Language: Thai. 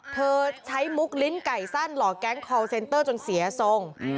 เธอใช้มุกลิ้นไก่สั้นหลอกแก๊งคอลเซนเตอร์จนเสียทรง